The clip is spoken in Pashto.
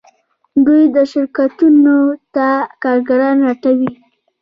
دوی شرکتونو ته کارګران لټوي.